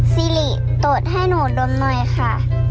ซีริตดให้หนูดมหน่อยค่ะ